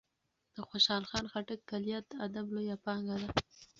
د خوشال خان خټک کلیات د ادب لویه پانګه ده.